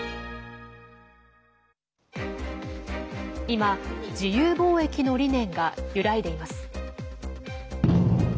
今、自由貿易の理念が揺らいでいます。